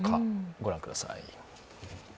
ご覧ください。